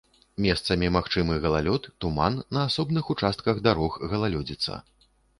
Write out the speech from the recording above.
Месцамі магчымы галалёд, туман, на асобных участках дарог галалёдзіца.